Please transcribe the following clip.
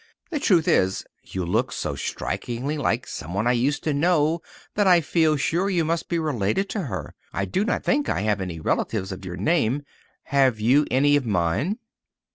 "The truth is, you look so strikingly like someone I used to know that I feel sure you must be related to her. I do not think I have any relatives of your name. Have you any of mine?"